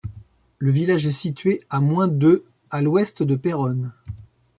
Le village est situé à moins de à l'ouest de Péronne.